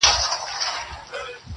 ژوند لکه لمبه ده بقا نه لري-